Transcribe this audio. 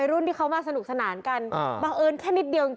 อร่อยติดมากเลย